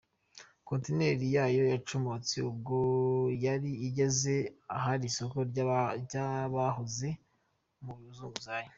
Kontineri yayo yacomotse ubwo yari igeze ahari isoko ry’ abahoze mu buzunguzayi.